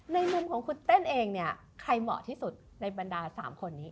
ในมุมของคุณเต้นเองเนี่ยใครเหมาะที่สุดในบรรดา๓คนนี้